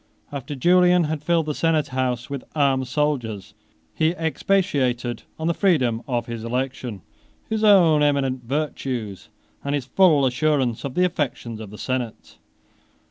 12 After Julian had filled the senate house with armed soldiers, he expatiated on the freedom of his election, his own eminent virtues, and his full assurance of the affections of the senate.